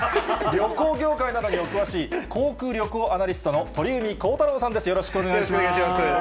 旅行業界などにお詳しい航空・旅行アナリストの鳥海高太朗さんでよろしくお願いします。